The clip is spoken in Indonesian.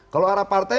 kalau arah partai